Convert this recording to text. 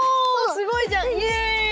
すごいじゃん！